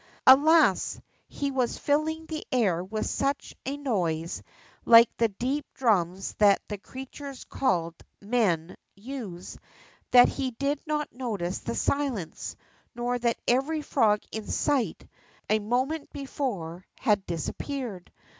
Alas ! he was filling the air with such a noise, like the deep drums that the creatures called ^ men ' use, that he did not notice the silence, nor that every frog in sight a moment before had disappeared.